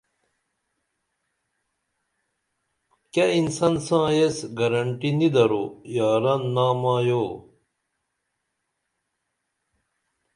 کیہ انسن ساں ایس گرنٹی نیدرو یاران نامایو